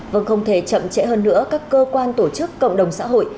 vâng không thể chậm trễ hơn nữa các cơ quan tổ chức cộng đồng xã hội